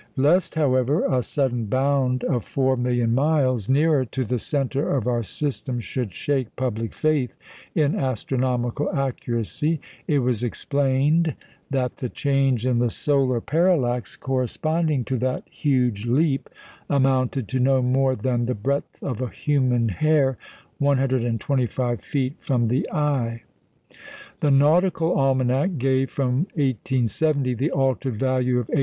Lest, however, a sudden bound of four million miles nearer to the centre of our system should shake public faith in astronomical accuracy, it was explained that the change in the solar parallax corresponding to that huge leap, amounted to no more than the breadth of a human hair 125 feet from the eye! The Nautical Almanac gave from 1870 the altered value of 8.